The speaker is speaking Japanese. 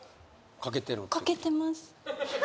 掛けてます